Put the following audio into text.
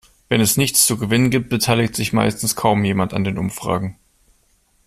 Wenn es nichts zu gewinnen gibt, beteiligt sich meistens kaum jemand an den Umfragen.